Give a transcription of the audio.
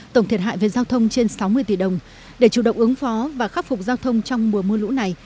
tổng thiệt hại về giao thông trên sáu mươi tỷ đồng để chủ động ứng phó và khắc phục giao thông trong mùa mưa lũ này